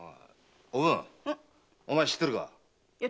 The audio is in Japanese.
おぶん知ってるか？